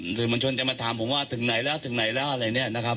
หรือมันชนจะมาถามผมว่าถึงไหนล่ะถึงไหนล่ะอะไรเนี้ยนะครับ